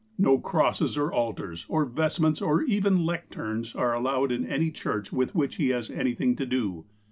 No crosses or altars, or vest ments, or even lecterns, are allowed in any church with which he has anything to do.